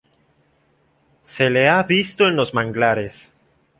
Se le ha visto en los manglares.